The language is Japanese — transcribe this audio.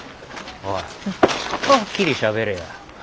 おいはっきりしゃべれよ。